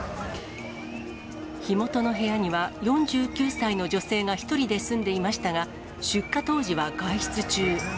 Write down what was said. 火元の部屋には４９歳の女性が１人で住んでいましたが、出火当時は外出中。